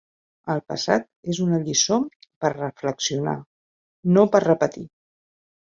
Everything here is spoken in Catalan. El passat és una lliçó per reflexionar, no per repetir.